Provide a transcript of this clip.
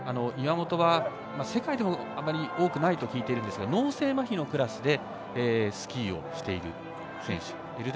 岩本は、世界でもあまり多くないと聞いているんですが脳性まひのクラスでスキーをしている選手。